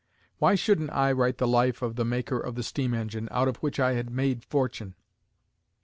Why shouldn't I write the Life of the maker of the steam engine, out of which I had made fortune?